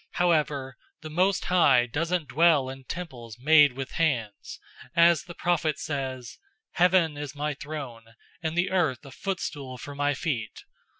007:048 However, the Most High doesn't dwell in temples made with hands, as the prophet says, 007:049 'heaven is my throne, and the earth a footstool for my feet.